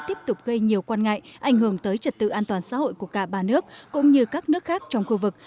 tiếp tục gây nhiều quan ngại ảnh hưởng tới trật tự an toàn xã hội của cả ba nước cũng như các nước khác trong khu vực